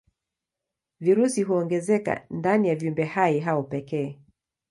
Virusi huongezeka ndani ya viumbehai hao pekee.